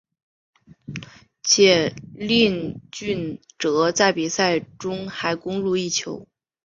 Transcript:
且肇俊哲在比赛中还攻入一球。